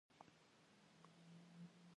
Ts'ıxu dapşe şıpseure fi khuajjem?